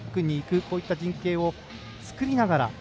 そういう陣形を作りながら。